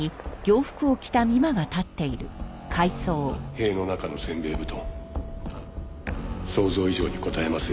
塀の中の煎餅布団想像以上にこたえますよ。